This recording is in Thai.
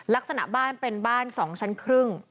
ลักษณะบ้านเป็นบ้าน๒ชั้นครึ่ง